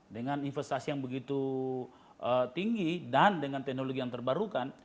dengan investasi yang begitu tinggi dan dengan teknologi yang terbarukan